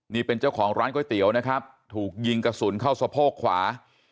นี่เป็นเจ้าของร้านก๋วยเตี๋ยวนะครับถูกยิงกระสุนเข้าสะโพกขวา